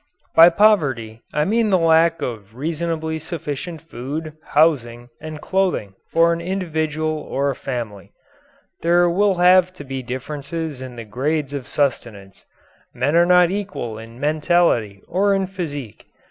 By poverty I mean the lack of reasonably sufficient food, housing, and clothing for an individual or a family. There will have to be differences in the grades of sustenance. Men are not equal in mentality or in physique.